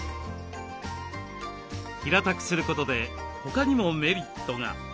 平たくすることで他にもメリットが。